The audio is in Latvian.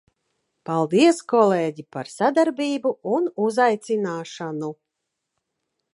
Paldies kolēģi par sadarbību un uzaicināšanu!